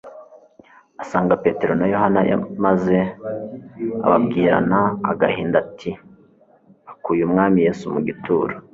Asanga Petero na Yohana maze ababwirana agahinda ati: "Bakuye Umwami Yesu mu gituro